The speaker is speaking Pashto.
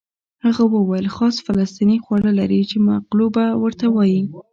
هغه وویل خاص فلسطیني خواړه لري چې مقلوبه ورته وایي.